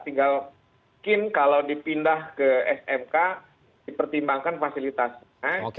tinggal mungkin kalau dipindah ke smk dipertimbangkan fasilitasnya